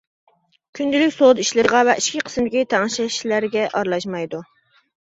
كۈندىلىك سودا ئىشلىرىغا ۋە ئىچكى قىسىمدىكى تەڭشەشلەرگە ئارىلاشمايدۇ.